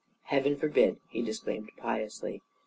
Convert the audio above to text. "Heaven forbid!" he disclaimed, piously.